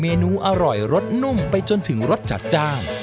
นูอร่อยรสนุ่มไปจนถึงรสจัดจ้าน